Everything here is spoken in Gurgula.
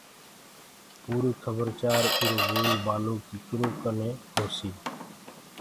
پوريٚ کبر چآر ايرو گول بآلو ڪيٚ ڪرو ڪني هوسيٚ